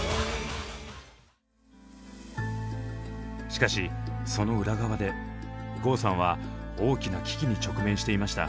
しかしその裏側で郷さんは大きな危機に直面していました。